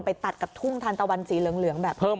ไปตัดกับทุ่งทันตะวันสีเหลืองแบบ